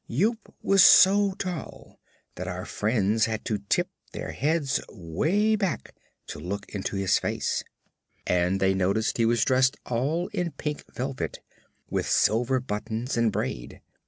Yoop was so tall that our friends had to tip their heads way back to look into his face, and they noticed he was dressed all in pink velvet, with silver buttons and braid.